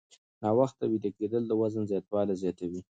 ناوخته ویده کېدل د وزن زیاتوالی زیاتوي.